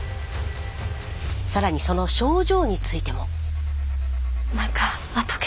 さらにその症状についても。